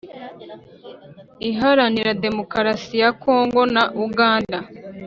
Iharanira Demokarasi ya Congo na Uganda